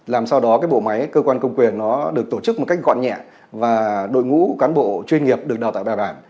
làm sao đó cái bộ máy cơ quan công quyền nó được tổ chức một cách gọn nhẹ và đội ngũ cán bộ chuyên nghiệp được đào tạo bài bản